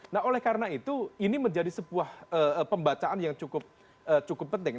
nah oleh karena itu ini menjadi sebuah pembacaan yang cukup penting